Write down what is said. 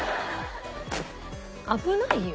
危ないよ。